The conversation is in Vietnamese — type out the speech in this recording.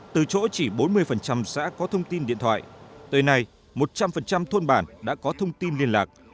từ chỗ chỉ bốn mươi xã có thông tin điện thoại tới nay một trăm linh thôn bản đã có thông tin liên lạc